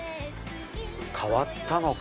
変わったのか？